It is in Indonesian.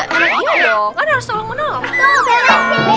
iya dong gak ada harus tolong menolong